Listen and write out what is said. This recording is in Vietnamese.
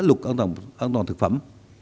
luật an toàn thực phẩm